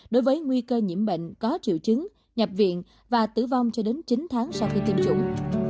đối với nguy cơ nhiễm bệnh có triệu chứng nhập viện và tử vong cho đến chín tháng sau khi tiêm chủng